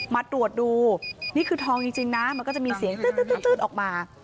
มาตรวจดูนี่คือทองจริงจริงนะมันก็จะมีเสียงตื๊ดตื๊ดตื๊ดตื๊ดออกมา